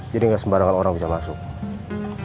jadi gak sembarangan orang bisa masuk